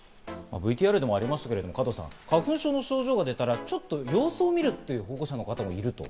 ＶＴＲでもありましたけど、加藤さん、花粉症の症状が出たら、ちょっと様子を見るという保護者のかたもいるという。